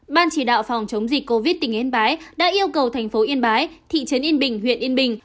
ban chỉ đạo phòng chống dịch covid tỉnh yên bái đã yêu cầu thành phố yên bái thị trấn yên bình huyện yên bình